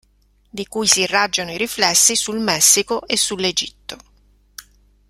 Di cui si irraggiano i riflessi sul Messico e su l'Egitto.